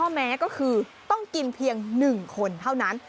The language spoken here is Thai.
แม้ก็คือต้องกินเพียง๑คนเท่านั้น